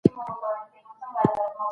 خپله ټولنه په خپله جوړه کړئ.